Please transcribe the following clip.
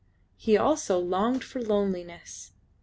He also longed for loneliness.